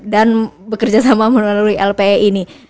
dan bekerja sama melalui lpe ini